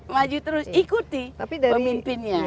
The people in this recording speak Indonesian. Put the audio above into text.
maju terus ikuti pemimpinnya